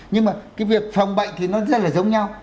nhưng mà cái việc phòng bệnh thì nó rất là giống nhau